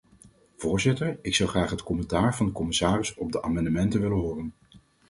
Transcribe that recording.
Voorzitter, ik zou graag het commentaar van de commissaris op de amendementen willen horen.